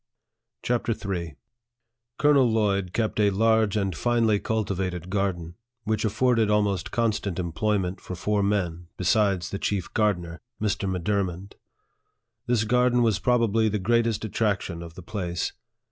CHAPTER III, COLONEL LLOYD kept a large and finely cultivated garden, which afforded almost constant employment for four men, besides the chief gardener, (Mr. M'Dur mond.) This garden was probably the greatest attrac tion of the place.